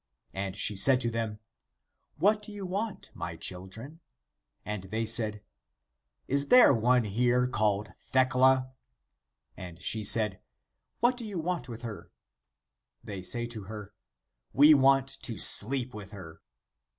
And she said to them :' What do you want my children ?' And they said: 'Is there one here called Thecla?' And she said: ' What do you want with her ?' They say to her :' We want to sleep with her.'